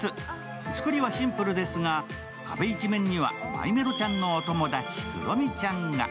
つくりはシンプルですが、壁一面にはマイメロちゃんのお友達、クロミちゃんが。